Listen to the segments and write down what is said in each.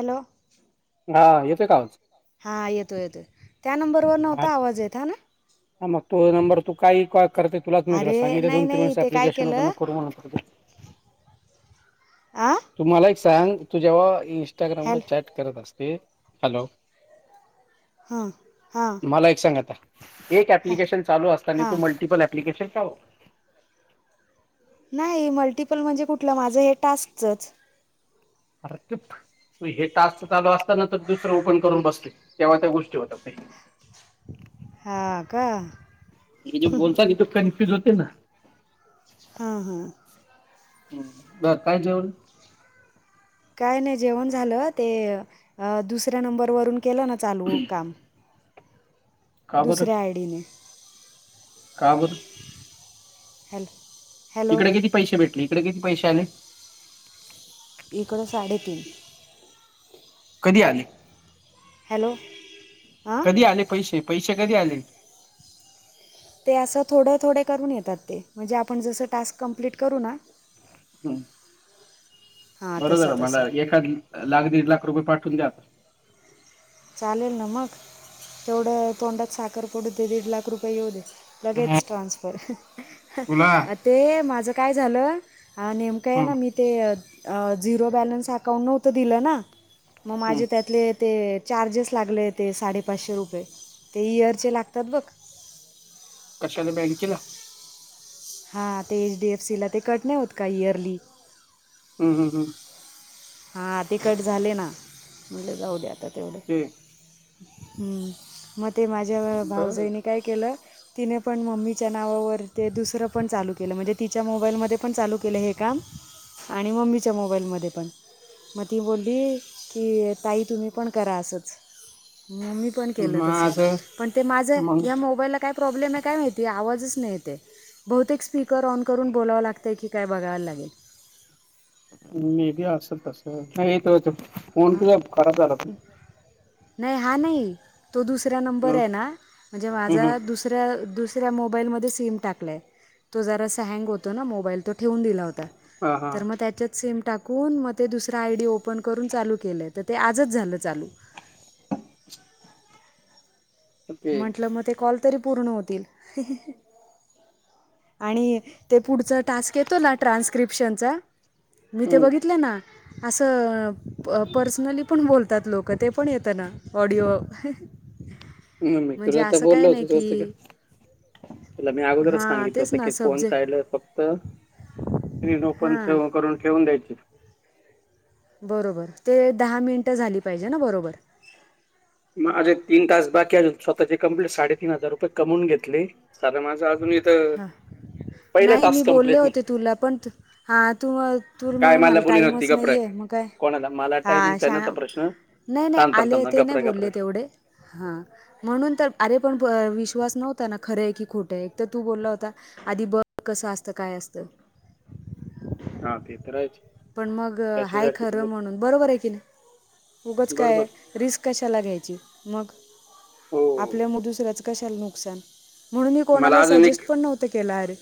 Hello! हा येतोय का आवाज? हा येतोय- येतोय त्या नंबरवर हा नव्हता आवाज येत हा ना. हा मग तो नंबर तू काही कॉ करते तुला मी अरे सांगितले, नाही दोन- तीन नाही वेळेस ते काय अप्लिकेशन ओपन केलं नको करू म्हणून. आं, तू मला एक सांग तू जेव्हा इन्स्टाग्रामला हॅल चॅट करत असते, हॅलो! हां, हां मला एक सांग आता एक हॅ ऍप्लिकेशन चालू असतानी तू हां मल्टिपल एप्लिकेशन्स का वा नाही मल्टिपल म्हणजे कुठलं माझं हे टास्कचंच. [unintelligible] तु हे टास्क चालू असताना तर दुसरं ओपन करून बसतो तेव्हा त्या गोष्टी होतात ते. हां का हे जे बोलतानि तू कनफ्युज होते ना हां हां, झालं काय जेवण? काय नाही जेवणं झालं ते अं दुसऱ्या नंबरवरून केलं ना चालू काम. का दुसऱ्या आय डी ने. काबर? हॅलो! इकडे किती पैसे भेटले? इकडे किती पैसे आले? इकडं साडेतीन. कधी आले? हॅलो. हां कधी आले पैसे? पैसे कधी आले? ते असं थोडं थोडें करून येतात ते. म्हणजे आपण जसं टास्क कंप्लीट करू ना. हां बर तसं झालं. तसं मला एखाद लाख, दीड लाख रुपये पाठवून द्या. चालेल ना मग. तेवढं तोंडात साखर पडू दे, दीड लाख रुपये येऊ दे. आता. लगेच ट्रान्सफर. तुला ते माझं काय झालं, हा नेम कं आहे ना, हम्म, मी ते झिरो बॅलन्स अकाउंट नव्हतं दिलं ना. मग माझे त्यातले ते चार्जेस लागले ते साडेपाचशे रुपये. ते इयरचे लागतात बघ. कशाला, बँकेला? हा, ते एच. डी. एफ. सी. ला ते कट नाही होत का इयरली? हम्.. हम्.. हम्. हा ते कट झाले ना. म्हटलं जाऊ दे आता तेवढे. ते मग ते माझ्या बर भाऊजईनी काय केलं तिने पण मम्मीच्या नावावर ते दुसरं पण चालू केलं, म्हणजे तिच्या मोबाईलमध्ये पण चालू केलं हे काम आणि मम्मीच्या मोबाईलमध्ये पण. मग ती बोलली, की ताई तुम्ही पण करा असंच. म मी पण केलं तसं. माझं पण ते माझं मग ह्या मोबाईलला काय प्रॉब्लेम आहे काय माहिती, आवाजच नाही येत आहे. बहुतेक स्पीकर ऑन करून बोलावं लागतं, की काय बघायला लागेल. मे बी असलं तसं. हा, इथं होतं. हां. नाही हां नाही. तो दुसऱ्या नंबर हम्म, आहे ना, म्हणजे हम्म, माझा हम्म, दुस दुसऱ्या, दुसऱ्या मोबाईलमध्ये सिम टाकलाय. तो जरासा हँग होतो ना मोबाईल, तो ठेवून दिला हो आता, हा हा तर मग त्याच्यात सिम टाकून, म ते दुसरं आयडी ओपन करून चालू केलंय. तर ते आजच झालं चालू. ते म्हंटलं, मग ते कॉल तरी पूर्ण होतील. आणि ते पुढचा टास्क येतो ना ट्रान्स्क्रिप्शनचा मी ते हम्म, बघितले ना, असं पर्सनली पण बोलतात लोकं. ते पण येतं ना, ऑडिओ. हं. म्हणजे तुला तर असं काय बोललो नाही होतो, की [unintelligible] तुला मी अगोदरच हां सांगितलं तेच होत ना की, फोन सब्जेक्ट साइडला फक्त स्क्रीन ओपण, हां सेव करून ठेवून द्यायची. बरोबर, ते दहा मिनिटं झाली पाहिजे ना बरोबर? माझे तीन तास बाकी आहे अजून. स्वतःची कंप्लीट साडेतीन हजार रुपये कमवून घेतले. साधारण माझं तर अजून इथं हां पहिला नाही, मी टास्क बोलले कम्प्लीट नाही होते तुला. पण हा तू तू काय म्हणे मला बोली नव्हती टाईमच गप्र आहे. नाहीये मग काय. कोणाला? मला, हां टायमिंगचा शा नव्हता प्रश्न. नाही, नाही. थांब थांब आले थांब ते नाही गपरा गपरा बोलले तेवढे. हा, म्हणून तर. अरे पण, विश्वास नव्हता ना खरं आहे की खोटं आहे. तर तू बोलला होता. आधी बघ कसं असतं? काय असतं? हा, ते तर आहेच. पण मग हाय त्याच्यासाठी तर खरं बघ- म्हणून. बरोबर आहे की नाही? उगंच काय बरोबर रिस्क कशाला घ्यायची. मग हो आपल्यामुळे दुसऱ्याच कशाला नुकसान. म्हणून मी मला कोणाला अजून एक सजेस्ट पण नव्हतं केलं अरे,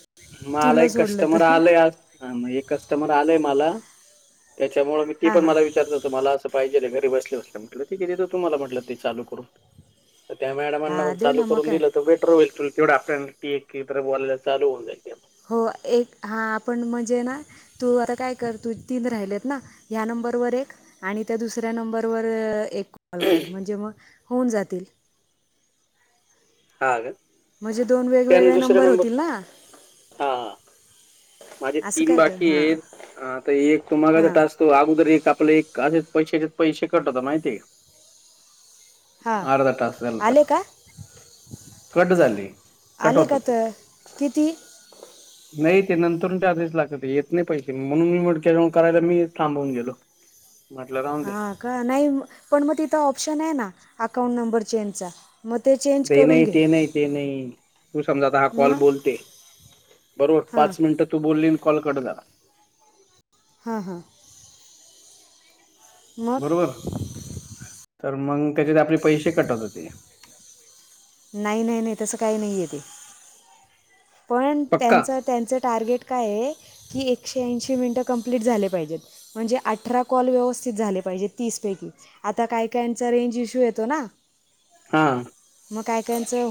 मला तुला एक सोडलं कस्टमर तर. आलंय आज हा मग एक कस्टमर आलंय मला. त्याच्यामुळं मी ती हां पण हां मला विचारत होतं मला असं पाहिजेलंय घरी बसल्या बसल्या, म्हटलं ठिकयं देतो तुम्हाला म्हटलं ते चालू करून. त्या मॅडमांना पण हां दे चालू ना मग करून काय दिलं तर बेटर होईल, तेवढं आपल्याला ती एक इतर बोलायला चालू होऊन जाईल हो, एक हां आपण म्हणजे ना तू आता काय कर, तूजं तीन राहिल्यात ना, ह्या नंबरवर एक आणि त्या दुसऱ्या नंबरवर एक कॉल कर, ते. म्हणजे मग होऊन जातील. [unintelligible] म्हणजे दोन त्यानी वेगवेगळे दुसऱ्या नंबर, होतील ना हा. माझे असं तीन काय कर हां बाकीयेत, आता एक तुम्हाला हां टास्क तो अगोदर एक, आपले एक, असेच पैशाचे पैसे कट होतात माहितीय का. हां अर्धा तास झालं तर, आले का कट झाले, कट आले होतात का ते. तर किती? नाही ते नंतरून टाकावेच लागतात. येत नाही पैसे. म्हणून मी [unintelligible] मी हेच थांबवून गेलो. म्हटलं राहून दे हा का? नाही, पण मग तिथं ऑप्शन आहे ना, अकाउंट नंबर चेंजचा. म तेचे ते नाही, ते नाही, ते नाही तू समजा आता हा कॉल मग बोलते बरोबर हां पाच मिनिटं तू बोलली न कॉल कट झाला. हां हां! मग बरोबर? तर मग त्याच्यात आपले पैसे कट होत होते. नाय, नाय, नाय, तसं काही नाहीयं ते. पण पक्का त्यांचं, त्यांचं टार्गेट कायये की, एकशे ऐंशी मिनटं कंप्लीट झाले पाहिजेत. म्हणजे अठरा कॉल व्यवस्थित झाले पाहिजे, तीसपैकी. आता काय काइंचा रेंज इश्यू येतो ना? हा! मग काय काइंचं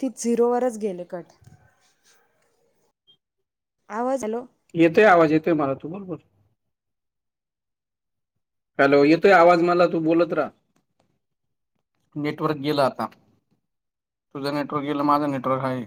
ती झिरोवरच गेले कट. आवाज, हॅलो. येतोय आवाज, येतोय मला, तू बोल बर हॅलो, येतोय आवाज मला, तू बोलत रहा. नेटवर्क गेलं आता. तुजं नेटवर्क गेलं, माजं नेटवर्क हाय.